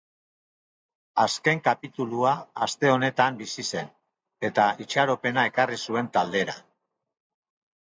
Azken kapitulua aste honetan bizi zen, eta itxaropena ekarri zuen taldera.